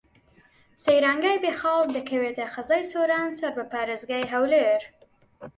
سەیرانگەی بێخاڵ دەکەوێتە قەزای سۆران سەر بە پارێزگای هەولێر.